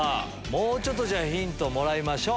もうちょっとヒントをもらいましょう。